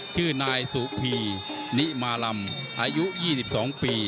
ชื่อนายสุพีนิมาลำอายุ๒๒ปี